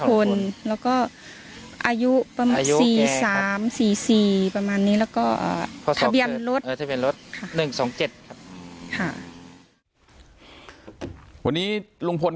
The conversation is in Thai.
การแก้เคล็ดบางอย่างแค่นั้นเอง